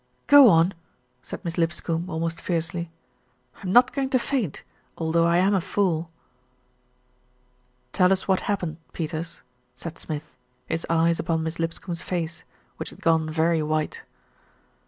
"Go on," said Miss Lipscombe almost fiercely. "I'm not going to faint, although I am a fool." "Tell us what happened, Peters," said Smith, his eyes upon Miss Lipscombe's face, which had gone very white.